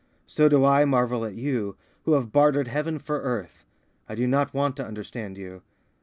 So do I marvel at you, who have bartered heaven for earth. I do not want to understand you.